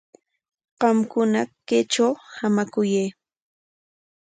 Qamkuna kaytraw hamakuyay.